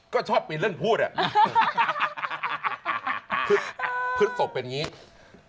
ก็ชอบปีนเรื่องพูดอ่ะพฤทธิ์ศพเป็นอย่างนี้